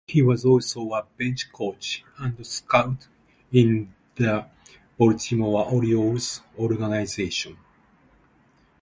He was also a bench coach and scout in the Baltimore Orioles organization.